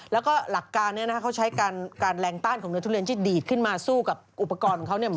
แล้วก็หลักการเนี่ยนะเขาใช้การแรงต้านของเนื้อทุเรียนที่ดีดขึ้นมาสู้กับอุปกรณ์ของเขาเนี่ย